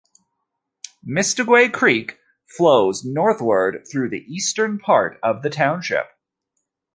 Misteguay Creek flows northward through the eastern part of the township.